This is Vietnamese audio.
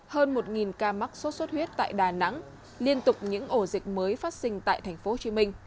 hơn một ca mắc sốt xuất huyết tại đà nẵng liên tục những ổ dịch mới phát sinh tại tp hcm